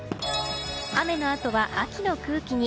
雨のあとは秋の空気に。